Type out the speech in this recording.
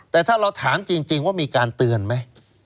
แต่ถ้าเราถามจริงว่ามีการเตือนไหม